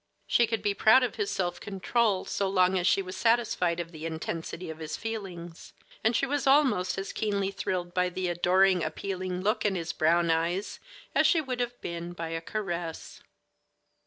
She could be proud of his self control so long as she was satisfied of the intensity of his feelings, and she was almost as keenly thrilled by the adoring, appealing look in his brown eyes as she would have been by a caress.